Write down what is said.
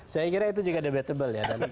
saya kira itu juga debatable ya